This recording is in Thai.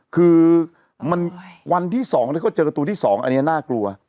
คือมันวันที่สองที่เขาเจอกับตัวที่สองอันนี้น่ากลัว